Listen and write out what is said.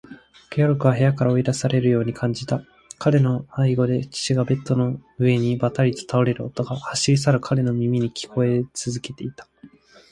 ゲオルクは部屋から追い出されるように感じた。彼の背後で父がベッドの上にばたりと倒れる音が、走り去る彼の耳に聞こえつづけていた。